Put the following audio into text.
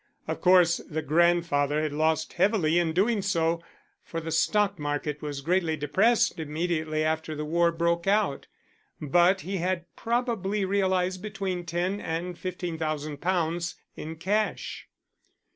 Of course the grandfather had lost heavily in doing so, for the stock market was greatly depressed immediately after the war broke out. But he had probably realized between ten and fifteen thousand pounds in cash.